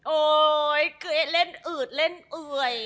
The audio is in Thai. โอ้ยเคยเล่นอืดเล่นอื่อย